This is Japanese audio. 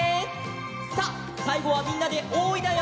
さあさいごはみんなで「おい」だよ！